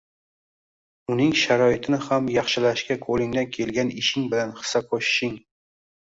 Uning sharoitini ham yaxshilashga qo‘lingdan kelgan ishing bilan hissa qo‘shishing